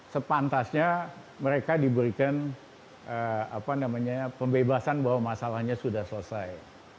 sepantasnya mereka diberikan pembebasan bahwa masalahnya sudah selesai